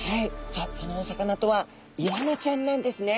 さあそのお魚とはイワナちゃんなんですね。